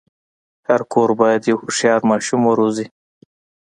هر کور باید یو هوښیار ماشوم وروزي.